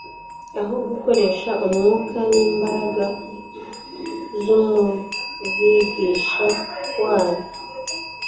aho gukoresha umwuka n'imbaraga z'Umuvigisha wanyu.